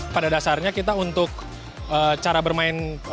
pada dasarnya kita untuk cara bermain